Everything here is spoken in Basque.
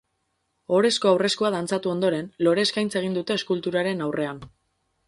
Ohorezko aurreskua dantzatu ondoren, lore eskaintza egin dute eskulturaren aurrean.